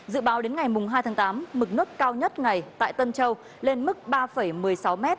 dự báo đến ngày hai tháng tám mực nước cao nhất ngày tại tân châu lên mức ba một mươi sáu m